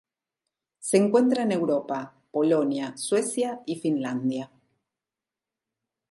Se encuentra en Europa: Polonia, Suecia y Finlandia.